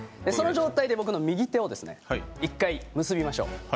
その状態で僕の右手を１回、結びましょう。